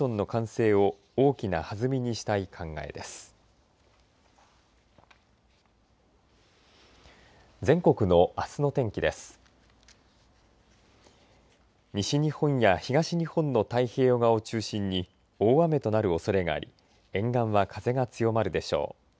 西日本や東日本の太平洋側を中心に大雨となるおそれがあり沿岸は風が強まるでしょう。